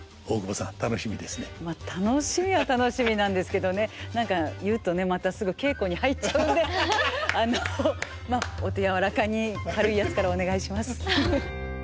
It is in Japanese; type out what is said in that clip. まあ楽しみは楽しみなんですけどね何か言うとねまたすぐ稽古に入っちゃうんであのまあお手柔らかに軽いやつからお願いします。